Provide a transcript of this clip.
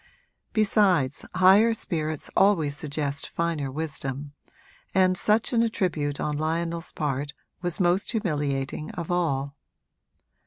Besides, higher spirits always suggest finer wisdom, and such an attribute on Lionel's part was most humiliating of all.